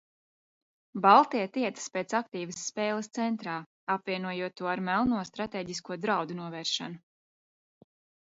Baltie tiecas pēc aktīvas spēles centrā, apvienojot to ar melno stratēģisko draudu novēršanu.